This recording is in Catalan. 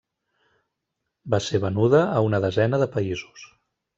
Va ser venuda a una desena de països.